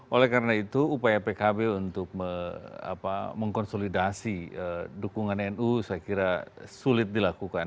oleh karena itu upaya pkb untuk mengkonsolidasi dukungan nu saya kira sulit dilakukan